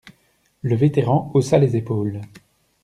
Le vétéran haussa les épaules.